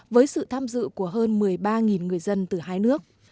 với sự tham dự của hơn một mươi ba người dân từ hai nước